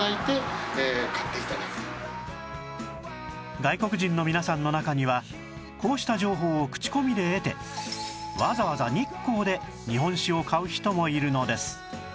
外国人の皆さんの中にはこうした情報を口コミで得てわざわざ日光で日本酒を買う人もいるのです